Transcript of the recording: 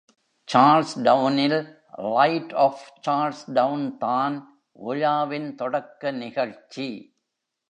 சார்ல்ஸ்டவுனில் light up சார்ல்ஸ்டவுன்தான் விழாவின் தொடக்க நிகழ்ச்சி.